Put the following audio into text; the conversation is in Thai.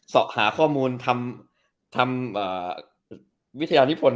สอบหาข้อมูลทำวิทยานิพล